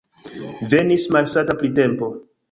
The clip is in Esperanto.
Venis malsata printempo.